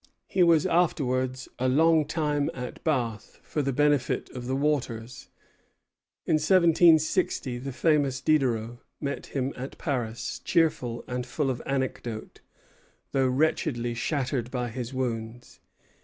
He was afterwards a long time at Bath, for the benefit of the waters. In 1760 the famous Diderot met him at Paris, cheerful and full of anecdote, though wretchedly shattered by his wounds.